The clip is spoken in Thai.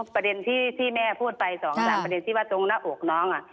ประเด็นที่แม่พูดไป๒๓ประเด็นที่ว่าตรงหน้าอกน้อง